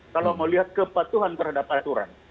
kalau melihat kepatuhan terhadap aturan